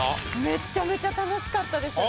めちゃめちゃ楽しかったです。